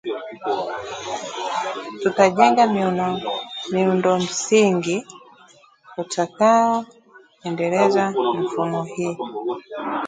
"Tutajenga miundo msingi!" utakao endeleza mfumo hii